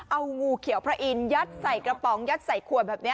เอางูเขียวพระอินทยัดใส่กระป๋องยัดใส่ขวดแบบนี้